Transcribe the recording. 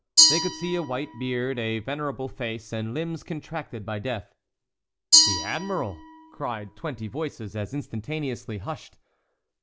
They could see a white beard, a venerable face, and limbs contracted by death. "The admiral!" cried twenty voices, as instantaneously hushed.